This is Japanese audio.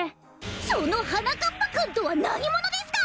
そのはなかっぱくんとはなにものですか！？